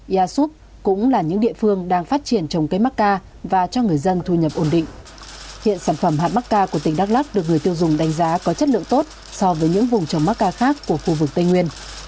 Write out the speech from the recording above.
yashup cũng là những địa phương đang phát triển trồng cây